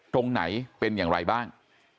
ตรงไหนเป็นอย่างไรบ้าง